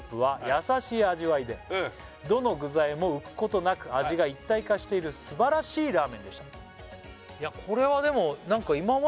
「優しい味わいでどの具材も浮くことなく」「味が一体化しているすばらしいラーメンでした」